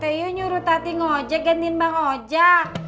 teh iyo nyuruh tati ngojek gantian bang ojak